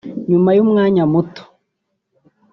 "Nyuma y’umwanya muto